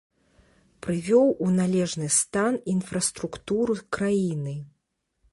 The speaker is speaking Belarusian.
Прывёў у належны стан інфраструктуру краіны.